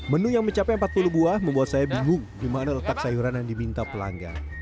menu yang mencapai empat puluh buah membuat saya bingung di mana letak sayuran yang diminta pelanggan